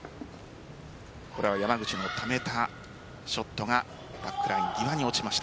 山口のためたショットがバックライン際に落ちました。